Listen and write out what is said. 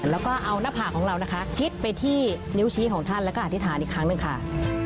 แล้วก็เอาหน้าผากของเรานะคะชิดไปที่นิ้วชี้ของท่านแล้วก็อธิษฐานอีกครั้งหนึ่งค่ะ